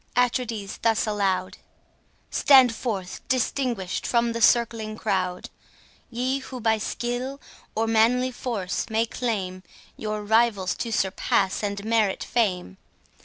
Atrides thus aloud, "Stand forth distinguish'd from the circling crowd, Ye who by skill or manly force may claim, Your rivals to surpass and merit fame.